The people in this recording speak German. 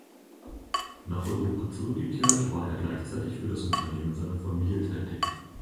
Nach Europa zurückgekehrt war er gleichzeitig für das Unternehmen seiner Familie tätig.